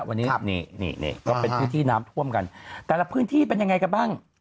วันนี้นี่นี่ก็เป็นพื้นที่น้ำท่วมกันแต่ละพื้นที่เป็นยังไงกันบ้าง